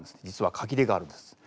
実は限りがあるんです。